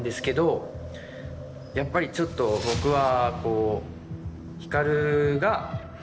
やっぱりちょっと僕は。